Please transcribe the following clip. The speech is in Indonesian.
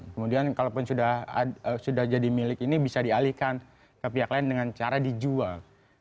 kemudian kalaupun sudah jadi milik ini bisa dialihkan ke pihak lain dengan cara dijual